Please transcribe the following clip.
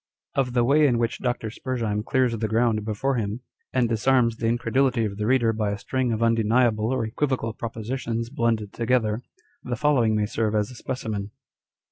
Of the way in which Dr. Spurzheim clears the ground Tjefore him, and disarms the incredulity of the reader by a string of undeniable or equivocal propositions blended together, the following may serve as a specimen.